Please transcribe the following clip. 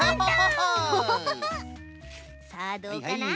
さあどうかな？